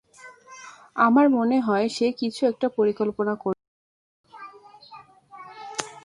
আমার মনে হয় সে কিছু একটা পরিকল্পনা করছে।